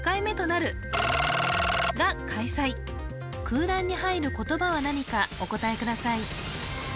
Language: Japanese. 空欄に入る言葉は何かお答えください